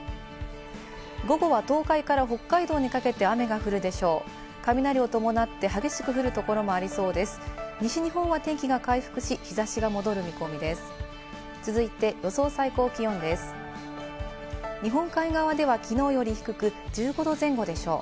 午後は東海から北海道にかけて雨が降るでしょう。